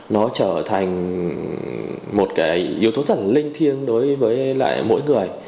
nó trở thành một cái yếu tố thẳng linh thiêng đối với lại mỗi người